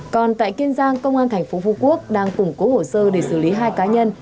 còn tại kiên giang công an thành phố phú quốc đang củng cố hồ sơ để xử lý hai cá nhân